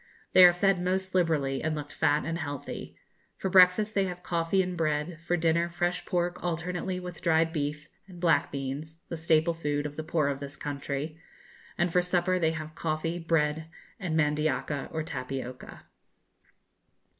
They are fed most liberally, and looked fat and healthy. For breakfast they have coffee and bread; for dinner, fresh pork alternately with dried beef, and black beans (the staple food of the poor of this country); and for supper they have coffee, bread, and mandioca, or tapioca.